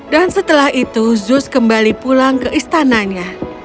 dan setelah itu zeus kembali pulang ke istananya